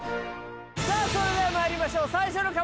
さぁそれではまいりましょう最初の壁